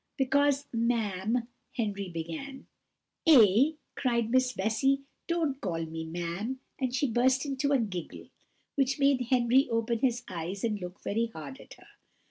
"Because, ma'am " Henry began. "Eh?" cried Miss Bessy, "don't call me ma'am;" and she burst into a giggle, which made Henry open his eyes and look very hard at her.